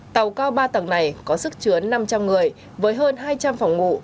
tàu cao ba tầng này có sức chứa năm trăm linh người với hơn hai trăm linh phòng ngủ